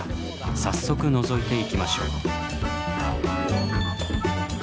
早速のぞいていきましょう。